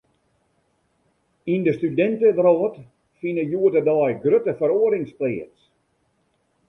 Yn de studintewrâld fine hjoed-de-dei grutte feroarings pleats.